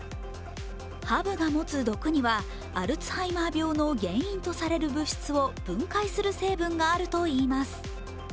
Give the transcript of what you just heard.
ハブが持つ毒にはアルツハイマー病の原因とされる物質を分解する成分があるといいます。